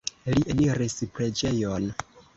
Li eniris preĝejon.